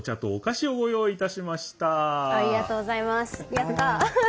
やった！